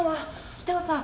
北尾さん？